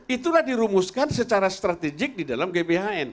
itulah dirumuskan secara strategik di dalam gbhn